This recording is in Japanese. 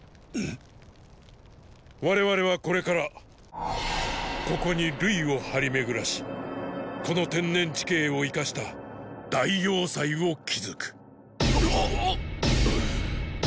我々はこれからーーここに塁を張り巡らしこの天然地形を活かした大要塞を築く。っ！！